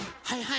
はい！